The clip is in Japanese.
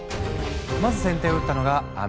まず先手を打ったのがアメリカ。